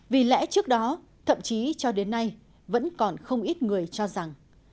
vì lẽ trước đó thậm chí cho đến nay vẫn còn không ít người cho rằng